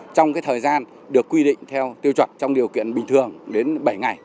trong thời gian được quy định theo tiêu chuẩn trong điều kiện bình thường đến bảy ngày